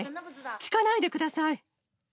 聞かないでください。